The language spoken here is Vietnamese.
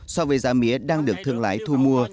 so với giá mía đang được thương lái thu mua